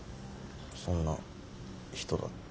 そんな人だった。